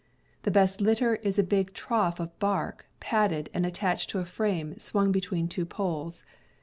The best litter is a big trough of bark, padded, and attached to a frame swung between two poles.